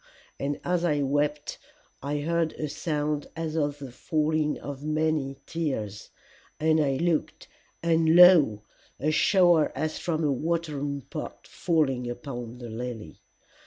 And as I wept I heard a sound as of the falling of many tears, and I looked, and lo a shower as from a watering pot falling upon the lily!